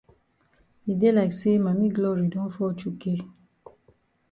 E dey like say Mami Glory don fall chukay.